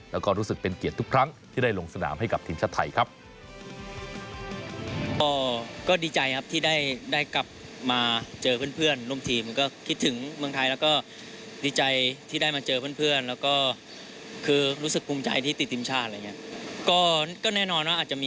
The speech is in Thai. แล้วก็รู้สึกเป็นเกียรติทุกครั้งที่ได้ลงสนามให้กับทีมชาติไทยครับ